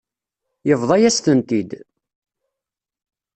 Yebḍa-yas-tent-id.